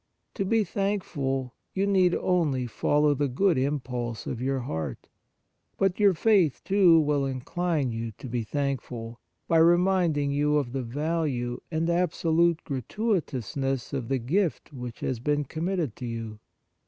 To be thankful, you need only follow the good impulse of your heart ; but your faith, too, will incline you to be thankful, by reminding you of the value and absolute gratuitousness of the gift which has been committed to you.